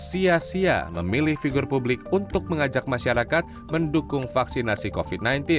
sia sia memilih figur publik untuk mengajak masyarakat mendukung vaksinasi covid sembilan belas